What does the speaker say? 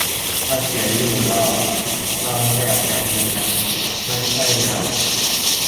บัตรเสียเหรอ ลองขยับแรมดูยัง ? ไม่ใช่ละ